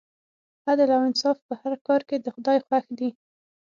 عدل او انصاف په هر کار کې د خدای خوښ دی.